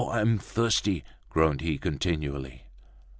I'm thirsty!" groaned he continually.